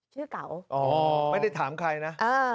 ชื่อกั๋วอ๋อไม่ได้ถามใครนะ